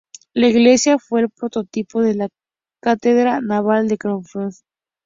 La iglesia fue el prototipo de la catedral Naval de Kronstadt.